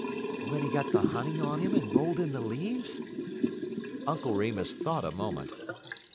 "When he got the honey on him and rolled in the leaves?" Uncle Remus thought a moment.